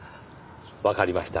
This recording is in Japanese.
わかりました。